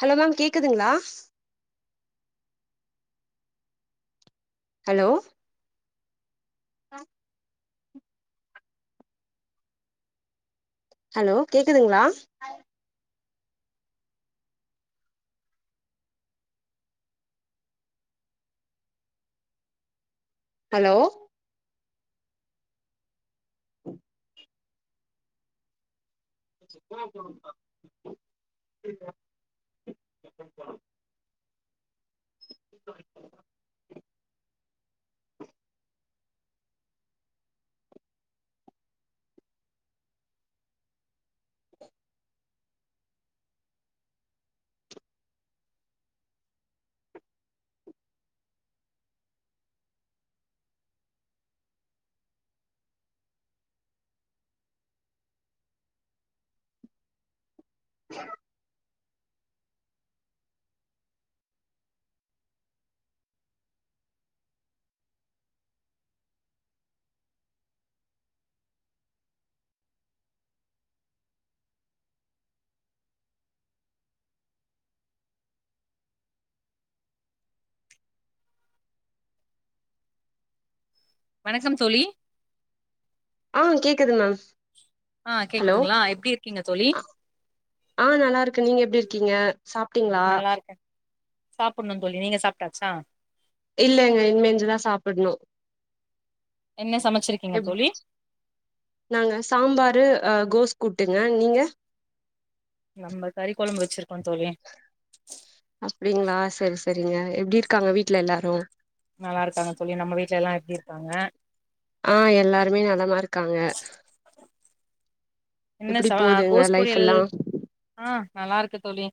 hello ma'am கேக்குதுங்ளா hello அ hello கேக்குதுங்களா ஹலோ [unintelligible] [unintelligible] வணக்கம் தோழி ஆ கேக்குது மேம் ஆ ஹலோ கேக்குதுங்ளா எப்டி இருக்கீங்க தோழி ஆ நல்லா இருக்கே நீங்க எப்டி இருக்கீங்க சாப்ட்டீங்ளா சாப்டனு தோழி நீங்க சாப்ட்டாச்சா இல்லங்க இனிமே எஞ்சுதா சாப்டனு என்ன சமச்சு இருக்கீங்க எப் தோழி நாங்க சாம்பாரு கோஸ் ஆ கூட்டுங்க நீங்க நம்ப கறிக்கொழம்பு வச்சுருக்கோ தோழி அப்டிங்ளா சரி சரிங்க எப்டி இருக்காங்க வீட்ல எல்லாரு நல்லா இருக்காங்க தோழி நம்ம வீட்ல எல்லா எப்டி இருக்காங்க ஆ எல்லாருமே நலமா இருக்காங்க என்ன எப்டி ச போதுங்க கோஸ் லைஃப் பொரியல் எல்லா ஆ நல்லா இருக்கு தோழி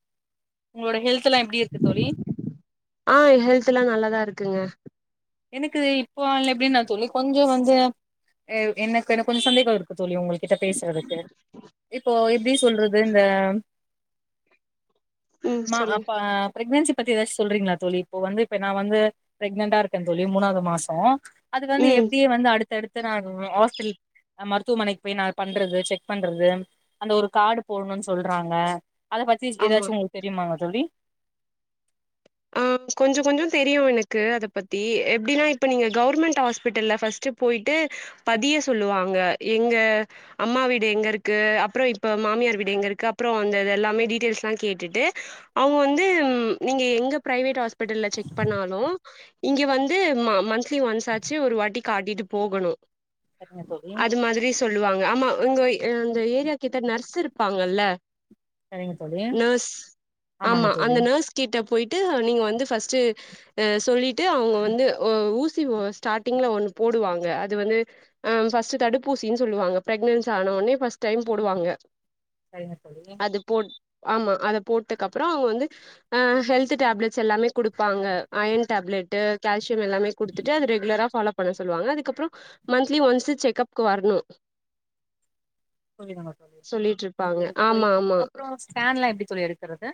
உங்களோட ஹெல்த் எல்லா எப்டி இருக்கு தோழி ஆ ஹெல்த் எல்லா நல்லாதா இருக்குங்க எனக்கு இப்போ ஆல எப்டின்னா நான் தோழி கொஞ்சோ வந்து எனக்கு எனக்கு கொஞ்ச சந்தேகம் இருக்கு தோழி உங்கள்ட்ட பேசுறதுக்கு இப்போ எப்டி சொல்றது இந்த ம் மா சொல்லுங்க அப்ப ப்ரக்னன்சி பத்தி ஏதாச்சு சொல்றீங்ளா தோழி இப்ப வந்து நா வந்து பிரெக்னட்டா இருக்க தோழி மூனாவது மாசோ அதுக்கு வந்து ம் எப்படியே வந்து அடுத்தடுத்து நானு ஹாஸ்பிடல் மருத்துவமனைக்கு போய் நா பண்றது செக் பண்றது அந்த ஒரு கார்டு போடணுன்னு சொல்றாங்க அத பத்தி ஆமா ஏதாச்சு ஒங்களுக்கு தெரியுமாங்க தோழி கொஞ்சோ கொஞ்சோ தெரியு எனக்கு அத பத்தி எப்டின்னா இப்ப நீங்க கவர்மெண்ட் ஹாஸ்பிட்டல்ல ஃபஸ்ட்டு போயிட்டு பதிய சொல்லுவாங்க எங்க அம்மா வீடு எங்க இருக்கு அப்பறோ இப்ப மாமியார் வீடு எங்க இருக்கு அப்பறோ அந்த இது எல்லாமே டீட்டெய்ல்ஸ் எல்லா கேட்டுட்டு அவுங்க வந்து நீங்க எங்க பிரைவேட் ஹாஸ்பிட்டல்ல செக் பண்ணாலு இங்க வந்து மந்த்லி ஒன்ஸ் ஆச்சு ஒரு வாட்டி காட்டிட்டு போகனு சரிங்க தோழி அது மாதிரி சொல்லுவாங்க ஆமா உங்க அந்த ஏரியா கிட்ட நர்ஸ் இருப்பாங்கல்ல சரிங்க தோழி நர்ஸ் ஆமாங்க ஆமா அந்த தோழி நர்ஸ் கிட்ட போயிட்டு நீங்க வந்து ஃபஸ்ட்டு அ சொல்லிட்டு அவுங்க வந்து ஊசி ஸ்டாட்டிங்ல ஒன்னு போடுவாங்க அது வந்து ஆ ஃபஸ்ட்டு தடுப்பூசின் சொல்லுவாங்க பிரக்னன்ஸ் ஆன உனே டைம் போடுவாங்க சரிங்க தோழி அது போட் ஆமா அத போட்டதுக்கு அப்றோ அவுங்க வந்து ஆ ஹெல்த் ஹெல்த்து டேப்லெட்ஸ் எல்லாமே குடுப்பங்க அயன்டேப்லட்டு கால்சியம் எல்லாமே குடுத்துட்டு அத ரெகுலரா ஃபாலோ பண்ண சொல்லுவாங்க அதுக்கப்றோ மந்த்லி ஒன்ஸ் செக்கப்கு வரணு காங்க சொல்லிட்ருப்பாங்க தோழி ஆமா போய்ட்டு ஆமா அப்றோ ஸ்கேன்லா எப்டி தோழி எடுக்கறது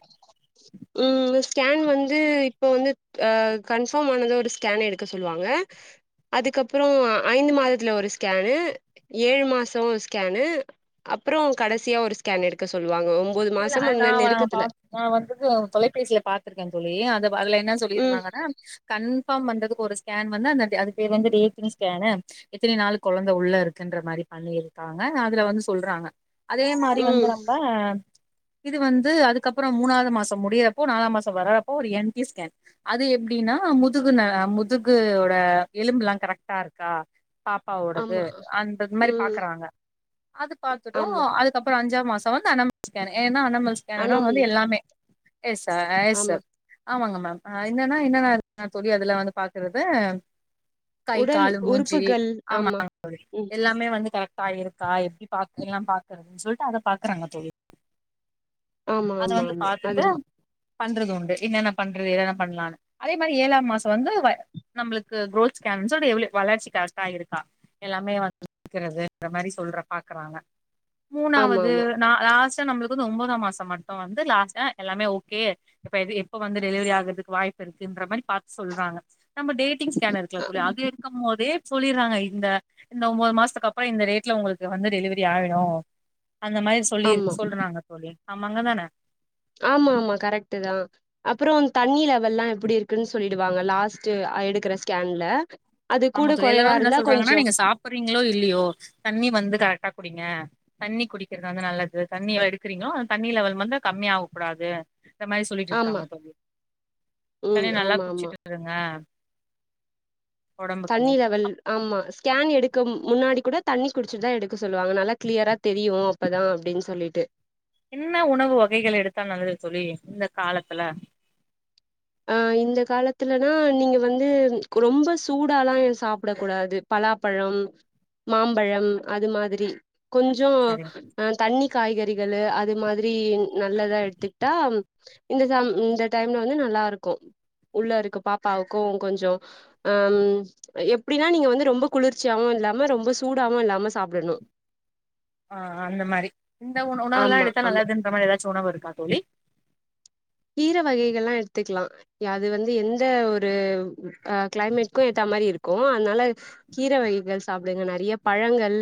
ம் ஸ்கேன் வந்து இப்போ வந்து அ கன்ஃபாம் ஆனது ஒரு ஸ்கேன் எடுக்க சொல்லுவாங்க அதுக்கப்றோ ஐந்து மாதத்துல ஒரு ஸ்கேனு ஏழு மாசோ ஒரு ஸ்கேனு அப்றோ கடைசியா ஒரு ஸ்கேன் எடுக்க சொல்லுவாங்க ஒம்போது இல்ல மாசோ அது நா அந்த வ பா நெருக்கத்துல நா வந்து தொலைபேசியில பாத்திருக்கே தோழி அ அதுல என்ன ம் சொல்லியிருந்தாங்கன்னா கன்ஃபார்ம் பண்றதுக்கு ஒரு ஸ்கேன் வந்து அந்த அது பேரு வந்து டேடிங் ஸ்கேனு எத்தனி நாளு கொழந்தை உள்ள இருக்குன்ற மாரி பண்ணிருக்காங்க அதுல வந்து சொல்றாங்க அதே மாதிரி வந்து ம் நம்ம இது வந்து அதுக்கப்பறோ மூனாவது மாசோ முடியறப்போ நாலாம் மாச வர்றப்போ ஒரு என் டி ஸ்கேன் அது எப்டின்னா முதுகு ந முதுகோட எலும்பெலா கரெக்டா இருக்கா பாப்பாவோடது ஆமா அந்தது மாரி ம் பாக்குறாங்க அத பாத்தது ஆமா அது அக்கப்றோ அஞ்சாம் மாசோ வந்து அனமல் ஸ்கேன் ஏன்னா அனமல் ஸ்கேன்னா வந்து அனாமலி எல்லாமே எஸ் அ எஸ் ஆமா ஆமாங்க மேம் என்னன்னா என்னன்னா தோழி அதுல வந்து பாக்குறது கை உடல் காலு மூஞ்சி உறுப்புகள் ஆமா ம் எல்லாமே வந்து கரெக்டா இருக்கா எப்டி பா எல்லா பாக்குறதுன்னு சொல்லிட்டு அத பாக்குறாங்க தோழி ஆமா அத ஆமா வந்து ஆமா அது பாத்துட்டு பண்றது உண்டு என்னென்ன பண்றது என்னென்ன பண்ணலான்னு அதே மாதிரி ஏழாம் மாசம் வந்து நம்மளுக்கு குரோத் ஸ்கேன் எவ்ளோ வளர்ச்சி கரெக்டா இருக்கா எல்லாமே வந்து இருக்கிறது அந்த மாதிரி சொல்ற பாக்குறாங்க ஆமா மூணாவது ஆமா நா லாஸ்ட்டா நம்மளுக்கு வந்து ஒன்பதா மாசம் மட்டு வந்து லாஸ்டா எல்லாமே ஓகே இப்பது எப்ப வந்து டெலிவரி ஆகுறதுக்கு வாய்ப்பு இருக்குன்ற மாரி பாத்து சொல்றாங்க நம்ம டேட்டிங் ஸ்கேன் இருக்குல்ல தோழி அது இருக்கு போதே சொல்லிறாங்க இந்த இந்த ஒம்போது மாசத்துக்கு அப்றோ இந்த டேட்ல உங்களுக்கு வந்து டெலிவரி ஆயிடு அந்த மாரி சொல்லிரு ஆமா சொல்றாங்க தோழி அமாங்க தான ஆமா ஆமா கரெக்ட் தா அப்றோ தண்ணி லெவல்லா எப்டி இருக்குன்னு சொல்லிடுவாங்க லாஸ்ட் எடுக்குற ஸ்கேன்ல அது கூட குறைவா இருந்தா கொஞ்சோ போறீங்களோ இல்லையோ தண்ணி வந்து கரெக்டா குடிங்க தண்ணி குடிக்கிறது வந்து நல்லது தண்ணிலா எடுக்கிறீங்களோ தண்ணி லெவல் மட்டு வந்து கம்மியா ஆவ கூடாது இந்த மாரி சொல்லிட்டு ஆமா இருக்காங்க தண்ணி ம் நல்லா ஆமா ஆமா குடிச்சுட்டு இருங்க ஒடம்புக்கு தண்ணி லெவல் ஆமா ஸ்கேன் எடுக்க முன்னாடி கூட தண்ணி குடிச்சிட்டு தா எடுக்க சொல்லுவாங்க நல்லா கிளியரா தெரியு அப்பதா அப்டின்னு சொல்லிட்டு இன்ன உணவு வகைகள் எடுத்தா நல்லது தோழி இந்த காலத்துல அ இந்த காலத்துலனா நீங்க வந்து ரொம்ப சூடாலா சாப்ட கூடாது பலாப்பழம் மாம்பழம் அது மாதிரி கொஞ்சோ அ தண்ணி காய்கறிகளு அது மாதிரி நல்லதா எடுத்துக்கிட்டா இந்த ச இந்த டைம்ல வந்து நல்லா இருக்கு உள்ள இருக்க பாப்பாவுக்கு கொஞ்சோ ஆ ம் எப்பிடினா நீங்க வந்து ரொம்ப குளிர்ச்சியாவு இல்லாம ரொம்ப சூடாவு இல்லாம சாப்டணு ஆ அந்த மாரி இந்த உண உணவெல்லா ஆமா எடுத்தா ஆமா நல்லதுன்ற மாரி ஏதாச்சு உணவு இருக்கா தோழி கீர வகைகள்லா எடுத்துக்கலா அது வந்து எந்த ஒரு அ கிளைமேட்கு ஏத்த மாரி இருக்கு அதுனால கீர வகைகள் சாப்டுங்க நறைய பழங்கள்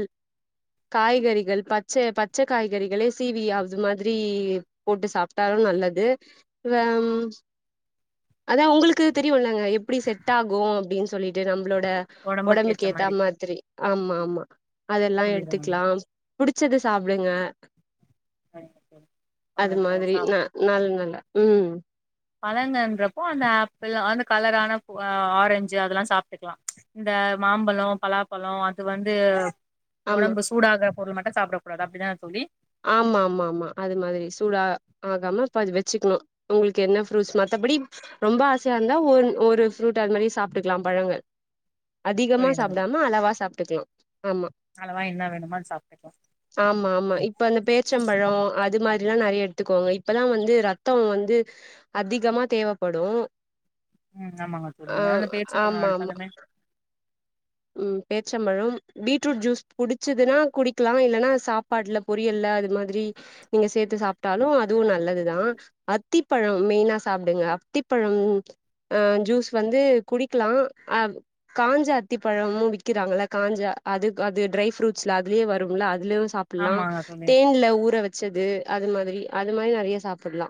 காய்கறிகள் பச்ச பச்ச காய்கறிகளே சீவி அது மாதிரி போட்டு சாப்ட்டாலு நல்லது இவ அதா உங்களுக்கு தெரியுலங்க எப்புடி செட்டாகு அப்டின் சொல்லிட்டு நம்பளோட ஒடம்புக்கு ஏத்த ஒடம்புக்கேத்தா மாரி மாதிரி ஆமாமா அதெல்லா புரியுது மேம் எடுத்துக்லாம் புடிச்சது சாப்டுங்க அது நம்மளுக்கு மாதிரி சா நா நல் நல்லா ம் பழங்கன்றப்போ அந்த ஆப்பிளு அந்த கலரான பு ஆரஞ்சு அதெல்லா சாப்ட்டுக்லா இந்த மாம்பழோ பலாப்பழோ அது வந்து ஆமா ஒடம்பு சூடாகுற பொருள் மட்டு சாப்ட கூடாது அப்பிடிதான தோழி ஆமாமாமா அது மாதிரி சூடா ஆகாமப் பாதி வெச்சுக்கணு உங்களுக்கு என்ன ஃப்ரூட்ஸ் மத்தபடி ரொம்ப ஆசையாருந்தா ஒரு ஒரு ஃப்ரூட் அது மாரி சாப்டுக்கலா பழங்கள் அதிகமா புரியுதுங்க சாப்புடாம அளவா சாப்ட்டுக்கலா ஆமா அளவா என்ன வேணுமோ அது சாப்ட்டுக்கலா ஆமாமா இப் இப்ப அந்த பேர்ச்சம்பழொ அது மாரில்லா நறைய எடுத்துக்கோங்க இப்பதா வந்து ரத்தோ வந்து அதிகமா தேவைப்படு ம் ஆமாங்க தோழி ஆ அந்த பேரிச்சப்பழோ ஆமாமா எடுத்தாலுமே ம் பேர்ச்சம்பழம் பீட்ருட் ஜூஸ் புடிச்சதுன்னா குடிக்கலா இல்லனா சாப் சாப்பாட்ல பொரியல்ல அது மாதிரி நீங்க சேத்து சாப்ட்டாலு அதுவு நல்லதுதா அத்திப்பழம் மெயினா சாப்டுங்க அத்திப்பழம் அ ஜூஸ் வந்து குடிக்லா அ காஞ்ச அத் அத்திபழமு விக்கிறாங்கள காஞ்ச அது அது ட்ரை ஃப்ரூட்ஸ்ல அதுலயே வரும்ல அதுலே சாப் புலா ஆமாங்க தோழி தேன்ல ஊற வச்சது அது மாதிரி அது மாதிரி நறைய சாப்புட்லா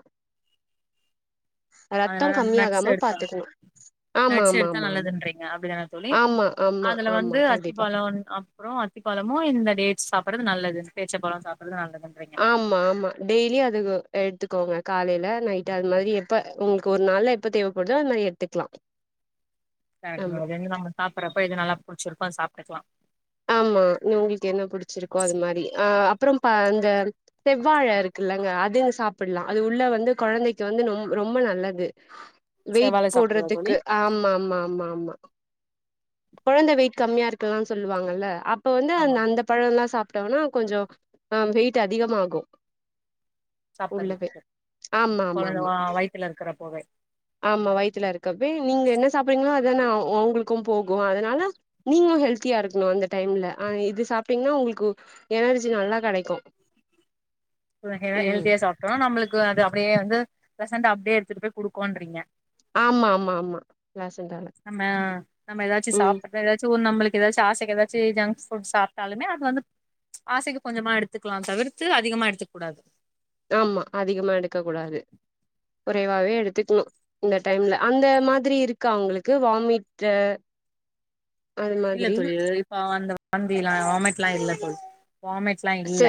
அதெல்லா ரத்தம் நட்ஸ் கம்மியாகாம எடுத்தா பாத்துக்கணு நட்ஸ் எடுத்தா ஆமாமாமா நல்லதுன்றீங்க அப்டிதான ஆமா ஆமா ஆமா கண்டிப்பா அன் அப்புறோ அத்திபழமு இந்த டேட்ஸ் சாப்புறது நல்லது பேர்ச்சம்பழோ சாப்புறது நல்லதுன்றீங்க ஆமா ஆமா டெய்லி அது எடுத்துக்கோங்க காலையில நைட்டு அது மாரி எப்ப உங்களுக்கு ஒரு நாள்ல எ ப்போ தேவப்படுதோ அதுல எடுத்துக்லா கரெக்ட் அதுலந்து நம்ம சாப்பறப்ப இது நல்லா புடிச்சிருக்கோ அது சாப்ட்டுக்கலா ஆமா உங்களுக்கு என்ன புடிச்சிருக்கோ அதுமாரி அ அப்புறம் ப இந்த செவ்வாழ இருக்குல்லங்க அது சாப்புல்லா அது உள்ள வந்து கொழந்தைக்கு வந்து நொம் ரொம்ப நல்லது [inaudible] வெயிட் சாப்புட்றதா தோழி போட்றதுக்கு ஆமாமாமாமா கொழந்த வெயிட் கம்மியா இருக்குலானு சொல்லுவாங்கல்ல அப்ப வந்து அந் ஆமாங் அந்த பழோல்லா சாப்ட்டம்னா கொஞ்சோ ஆ வெயிட் அதிகமாகு உள்ளவே சாப்புட்றதுக்கு கொழந்த ஆமாமாமா வ வயித்துல இருக்கறப்போவே ஆமா வயித்ல இருக்கப்பே நீங்க என்ன சாப்றீங்களோ அதனா அவங்களுக்கும் போ கு அதனால நீங்களு ஹெல்தியா இருக்கணு அந்த டைம்ல ஆ இது சாப்பட்டீங்ன்னா உங்களுக்கு எனர்ஜி நல்லா கடைக்கு [inaudible] அப்றோ ஹெ ஹெல்தியா சாப்டோ நம்ளுக்கு அப்படியே வந்து பிரசன்டா அப்படியே எடுத்துட்டு போய் குடுக்கோன்றீங்க ஆமாமாமா [unintelligible] நம்ம நம்ம ஏதாச்சு ம் சாப்புட் ஏதாச்சு ஒன் நம்மளுக்கு ஏதாச்சு ஆசைக்கி ஏதாச்சு ஜங்க்ஸ் ஃபுட் சாப்புட்டாலுமே அது வந்து ஆசைக்கு கொஞ்சமா எடுத்துக்கலாம் தவிர்த்து அதிகமா எடுத்துக்க கூடாது ஆமா அதிகமா எடுக்க கூடாது கொறைவாவே எடுத்துக்குன்னு இந்த டைம்ல அந்த மாதிரி இருக்கா அவுங்களுக்கு வாமிட்டு இல்ல தோழி இது இப்ப அந்த வாந்தியெல்லா வாமிட்ல்லா இல்ல வாமிட் ஸ்ல்லா இல்ல சே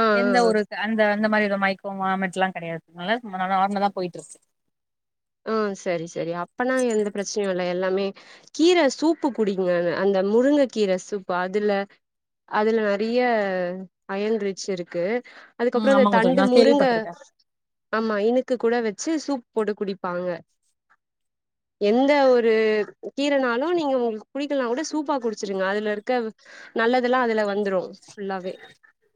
ஆ ஆ எந்த ஆ ஒரு அந்த அந்த மாரி ஒரு மையக்கோ வாமிட்டெல்லா கெடையாது ஓரளவு சுமாரா நார்மலாதா போயிட்டுருக்கு ஆ செரி செரி அப்பனா எந்த பிரச்சனையு இல்ல எல்லாமே கீர சூப்பு குடிங்க அந்த அந்த முருங்க கீர சூப்பு அதுல அதுல நெறயா அயன் ரிச்சிருக்கு ம் அதுக்கப்றோ இந்த ஆமாங்க தோழி தண்டு நா முருங்க கேள்விப்பட்ருக்கே ஆமா இனுக்கு கூட வெச்சு சூப் போட்டு குடிப்பாங்க எந்த ஒரு கீரனாலு நீங்க ஒங்களுக்கு புடிக்கலனா கூட சூப்பா குடு வெச்சிருங்க அதுல இருக்க நல்லதெல்லா அதுல வந்துரு ஃபுல்லாவே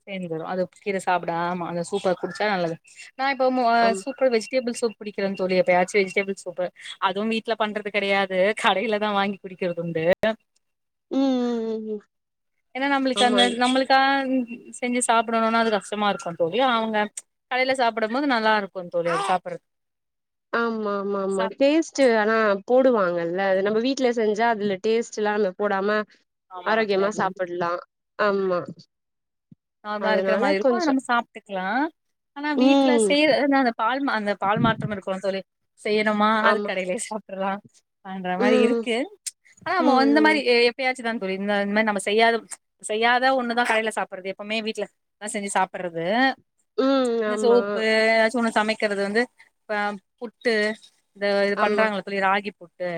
சேந்து வரு அது கீர சாப்ட ஆமா அந்த சூப்பா குடிச்சா நல்லது நா இப்போ மொ ஆம் சூப்பர் வெஜிடேபிள் சூப் குடிக்கிறேன் தோழி எப்பயாச்சு வெஜிடேபிள் சூப்பு அதுவும் வீட்ல பண்றது கெடையாது கடைலதா வாங்கி குடிக்கறது உண்டு ம் ம் ம் ஏனா நம்மளுக்கு ஆமா அந்த அது நம்மளுக்கா செஞ்சு சாப்பிடணுனா அது கஷ்டமா இருக்குந் தோழி அவுங்க கடைல சாப்டும்போது நல்லா இருக்குந்தோழி அத சாப்டறக்கு ஆமா ஆமா ஆமா டேஸ்ட் ஆனா போடுவாங்கல்ல நம்ம வீட்ல செஞ்சா அதுல டேஸ்ட்டில்லாம போடாம ஆமாங்க தோழி ஆரோக்கியமா அது சாப்ல்லா ஆமா நார்மலா இருக்கற அதனால மாரி இருக்கு ஆனா கொஞ்சோ நம்ம சாப்ட்டுக்கலா ஆனா வீட்ல ம் செய்ற நா அத பால் மா அந்த பால் மாற்றம் இருக்குமல்ல தோழி செய்யறமா அது ஆமா கடையிலயே சாப்ட்றலா பண்ற மாரி ம் இருக்கு ஆனா நம்ம அந்த ம் மாரி ம் எப்பயா வெச்சிதான் தோழி இந்த இந்த மாரி நம்ம செய்யாத செய்யாத ஒன்னுதா கடைல சாப்பிடறதே எப்புமே வீட்ல எல்லா செஞ்சு சாப்டறது ம் இந்த ஆமா சோப்பு எதாச்சு ஒன்னு சமைக்கிறது வந்து இப்ப புட்டு இந்த இது ஆமா பண்றாங்கல்ல தோழி ராகி புட்டு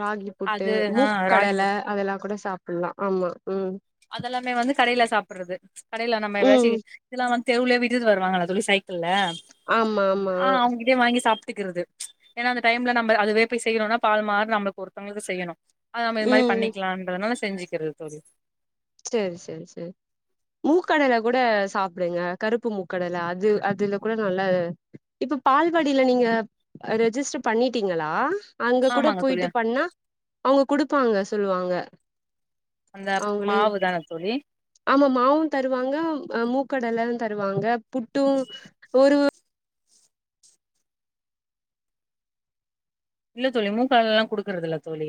ராகி புட்டு அது ஆ ராகி மூக்கடல புட்டு அதலா கூட சாப்ல்லா ஆமா ம் அதெல்லாமே வந்து கடைல சாப்பிடறது கடைல நம்ம எதாச்சி ம் இதெல்லா வந் தெருவுல வீட்டிட்ட வருவாங்கல்ல தோழி சைக்கிள்ல ஆமா ஆமா ஆ அவுங்கிட்டயே வாங்கி சாப்பிட்டுக்கிறது ஏனா அந்த டைம்ல நம்ம அதுவே போய் செய்யணுனா பால் மாறு நம்மளுக்கு ஒருத்தவங்களுக்கு செய்யணு அது நம்ம இது மாரி ம் பண்ணிக்கலான்றனால செஞ்சுக்கிறது தோழி செரி செரி செரி மூக்கடைல கூட சாப்ட்டுங்க கருப்பு மூக்கடல அது அதுல கூட நல்லா இப்ப பால்வடில நீங்க ரெஜிஸ்டர் பண்ணிட்டீங்களா அங்க கூட ஆமாங்க தோழி போயிட்டு பண்ணா அவுங்க குடுப்பாங்க சொல்லுவாங்க அந்த அவங்களே மாவுதான தோழி ஆமா மாவுந் தருவாங்க ஆ மூக்கடல்லா தருவாங்க புட்டுந் ஒரு இல்ல தோழி மூக்கடலல்லா குடுக்கறதில்ல தோழி